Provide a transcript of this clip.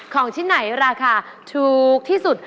ของชิ้นไหนราคาถูกที่สุด